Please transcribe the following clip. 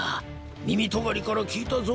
みみとがりからきいたぞ。